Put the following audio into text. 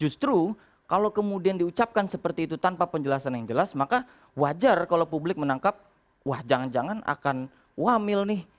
justru kalau kemudian diucapkan seperti itu tanpa penjelasan yang jelas maka wajar kalau publik menangkap wah jangan jangan akan wamil nih